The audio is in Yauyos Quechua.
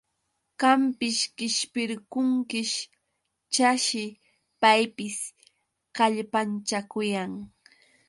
Qampis qishpirqunkish, chashi paypis kallpanchakuyan.